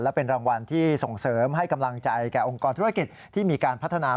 และเป็นรางวัลที่ส่งเสริมให้กำลังใจแก่องค์กรธุรกิจที่มีการพัฒนา